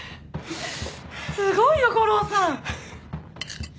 すごいよ悟郎さん！